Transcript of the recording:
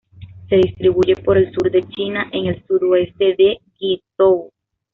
Se distribuyen por el sur de China en el sudoeste de Guizhou.